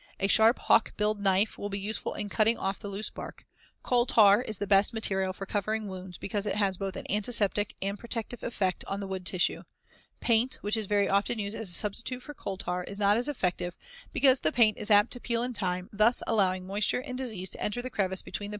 A sharp hawk billed knife will be useful in cutting off the loose bark. Coal tar is the best material for covering wounds because it has both an antiseptic and a protective effect on the wood tissue. Paint, which is very often used as a substitute for coal tar, is not as effective, because the paint is apt to peel in time, thus allowing moisture and disease to enter the crevice between the paint and the wood.